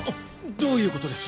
どういう事です？